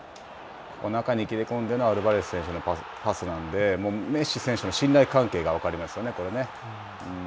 中に切れ込んでのアルバレス選手のパスなんでメッシ選手との信頼関係が分かりますよね。